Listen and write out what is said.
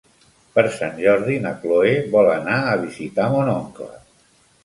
Per Sant Jordi na Chloé vol anar a visitar mon oncle.